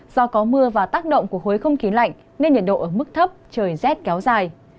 do có mưa và tác động của khối không khí lạnh nên nhiệt độ ở mức thấp trời rét kéo dài